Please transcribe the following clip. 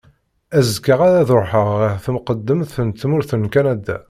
Azekka ara d-ruḥeɣ ɣer temqeddemt n tmurt n Kanada.